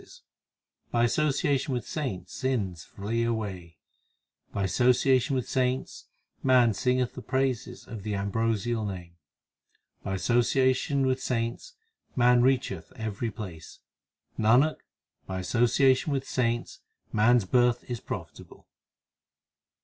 220 THE SIKH RELIGION By association with saints sins flee away, By association with saints man singeth the praises of the ambrosial Name, By association with saints man reacheth every place, Nanak, by association with saints man s birth is profit able.